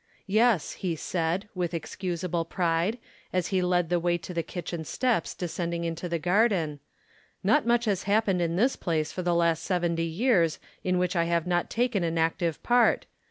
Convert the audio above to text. "Yes," he said, with excusable pride, as he led the way to the kitchen steps descending into the garden, "not much has happened in this place for the last seventy years in which I have not taken an active part.